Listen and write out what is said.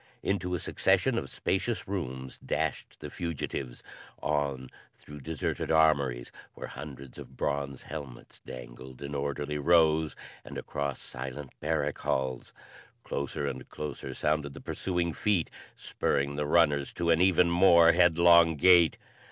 Into a succession of spacious rooms dashed the fugitives; on through deserted armories where hundreds of bronze helmets dangled in orderly rows; and across silent barrack halls. Closer and closer sounded the pursuing feet, spurring the runners to an even more headlong gait.